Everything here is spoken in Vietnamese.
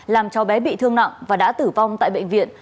làm cho bé bị thương nặng và đã tử vong tại bệnh viện